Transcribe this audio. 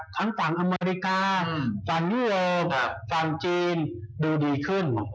ฝั่งอเมริกาฝั่งยุโรนฝั่งจีนดูดีขึ้น